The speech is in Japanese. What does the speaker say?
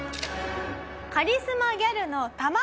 カリスマギャルの卵。